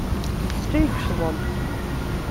D kecc ay yeccḍen.